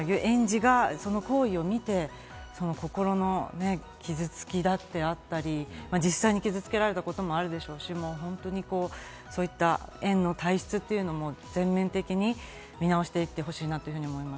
しかも園児がその行為を見て、心の傷つきであったり、実際に傷つけられたこともあるでしょうし、園の体質っていうのも全面的に見直していってほしいなと思います。